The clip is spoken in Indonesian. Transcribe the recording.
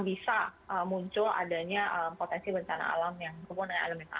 dan kalau bisa muncul adanya potensi bencana alam yang berpotensi dengan elemen tanah